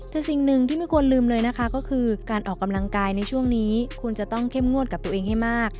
แต่สิ่งหนึ่งที่ไม่ควรลืมเลยนะคะก็คือการออกกำลังกายในช่วงนี้คุณจะต้องเข้มงวดกับตัวเองให้มาก